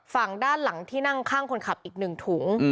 ฝั่งด้านหลังที่นั่งข้างคนขับอีก๑ถุง